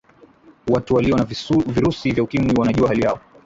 watu waliyo na virusi vya ukimwi wanajua hali yao